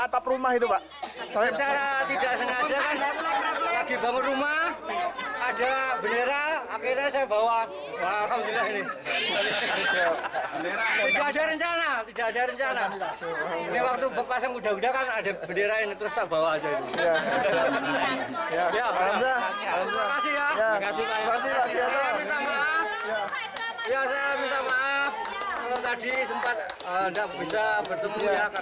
terima kasih om